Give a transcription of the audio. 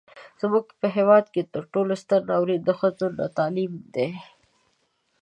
زموږ په هیواد کې تر ټولو ستر ناورين د ښځو نه تعليم دی.